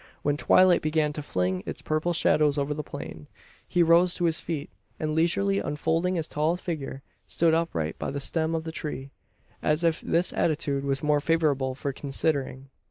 When twilight began to fling its purple shadows over the plain, he rose to his feet; and, leisurely unfolding his tall figure, stood upright by the stem of the tree as if this attitude was more favourable for "considering."